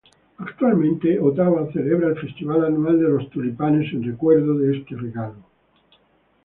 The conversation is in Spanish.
Actualmente, Ottawa celebra el Festival Anual de los Tulipanes, en recuerdo de este regalo.